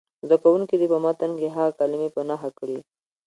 زده کوونکي دې په متن کې هغه کلمې په نښه کړي.